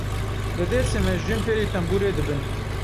Li Dêrsimê jin fêrî tembûrê dibin.